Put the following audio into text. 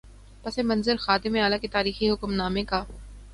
پس منظر خادم اعلی کے تاریخی حکم نامے کا۔